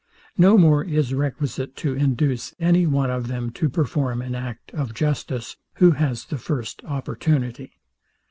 No more is requisite to induce any one of them to perform an act of justice, who has the first opportunity.